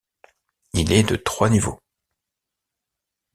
Il est de trois niveaux.